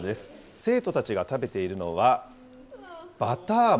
生徒たちが食べているのは、バター餅。